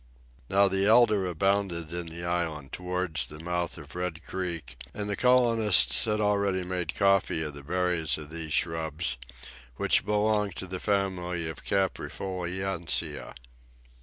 Now, the elder abounded in the island towards the mouth of Red Creek, and the colonists had already made coffee of the berries of these shrubs, which belong to the family of the caprifoliaceae.